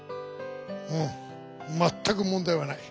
うんまったく問題はない。